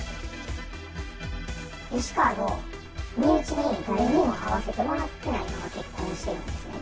吉川の身内に誰にも会わせてもらってないまま結婚してるんですね。